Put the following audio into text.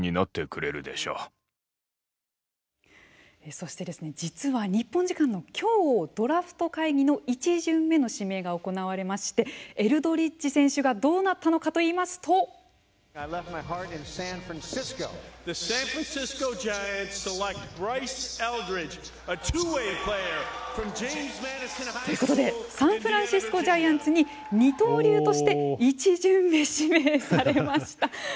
そしてですね、実は日本時間の今日ドラフト会議の１巡目の指名が行われましてエルドリッジ選手がどうなったのかといいますと。ということでサンフランシスコ・ジャイアンツに二刀流として１巡目指名されました。